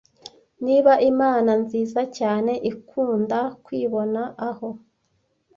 niba imana nziza cyane ikunda kwibona aho